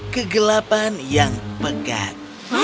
kegelapan yang pekat